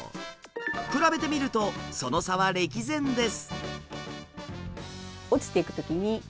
比べてみるとその差は歴然です。